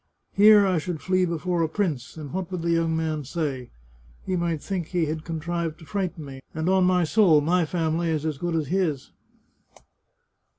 Here I should flee before a prince, and what would the young man say? He might think he had contrived to frighten me, and on my soul, my family is as good as his